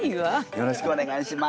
よろしくお願いします。